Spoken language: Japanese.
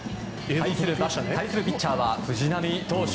対するピッチャーは藤浪投手。